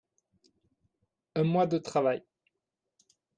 Un mois de travail.